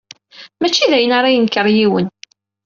Mačči d ayen ara yenker yiwen.